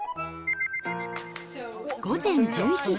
午前１１時。